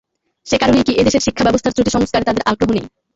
সে কারণেই কি এ দেশের শিক্ষাব্যবস্থার ত্রুটি সংস্কারে তাদের আগ্রহ নেই।